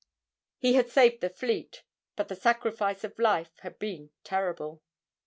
He had saved the fleet, but the sacrifice of life had been terrible.